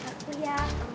kamu meeting yang baik aja